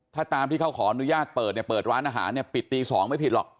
ถ้าตามที่เขาขออนุญาตเปิดเนี่ยเปิดร้านอาหารเนี่ยปิดตี๒ไม่ผิดหรอก